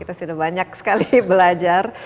kita sudah banyak sekali belajar